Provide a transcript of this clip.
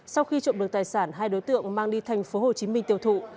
sau khi trộm được tài sản hai đối tượng mang đi thành phố hồ chí minh tiêu thụ